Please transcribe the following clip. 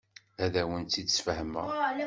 Ad awen-t-id-sfehmeɣ.